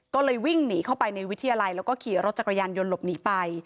ก็เลยวิ่งหนีเข้าไปในวิทยาลัยแล้วก็ขี่รถจักรยานยนต์หลบหนีไป